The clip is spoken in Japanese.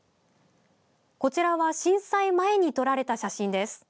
こちらは震災前に撮られた写真です。